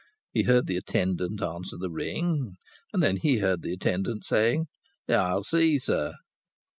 He heard the attendant answer the ring, and then he heard the attendant saying, "I'll see, sir."